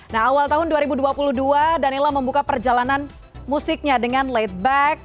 nah awal tahun dua ribu dua puluh dua danila membuka perjalanan musiknya dengan late bag